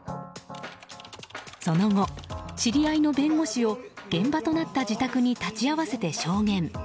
その後、知り合いの弁護士を現場となった自宅に立ち会わせて証言。